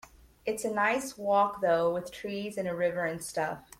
It's a nice walk though, with trees and a river and stuff.